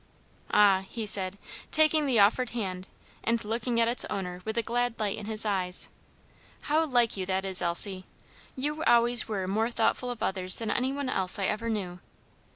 "Ah," he said, taking the offered hand, and looking at its owner with a glad light in his eyes, "How like you that is, Elsie! You always were more thoughtful of others than any one else I ever knew.